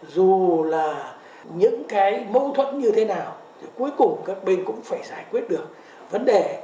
dù là những cái mâu thuẫn như thế nào thì cuối cùng các bên cũng phải giải quyết được vấn đề